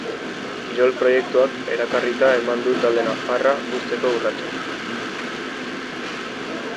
Kirol proiektuak erakarrita eman du talde nafarra uzteko urratsa.